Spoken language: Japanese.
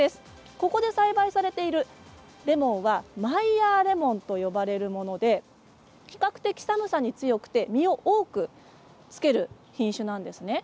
ここで栽培されているレモンはマイヤーレモンと呼ばれるもので比較的、寒さに強くて実を多くつける品種なんですね。